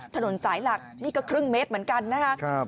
ถนนสายหลักนี่ก็ครึ่งเมตรเหมือนกันนะครับ